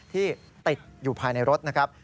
ที่ติดอยู่ภายในรถนะครับ